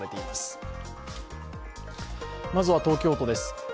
まずは東京都です。